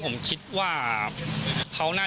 ผมมีโพสต์นึงครับว่า